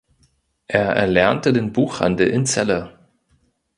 Er erlernte den Buchhandel in Celle.